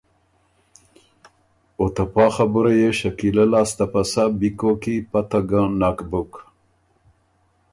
او ته پا خبُره يې شکیلۀ لاسته پسۀ بی کوک کی پته ګه نک بُک۔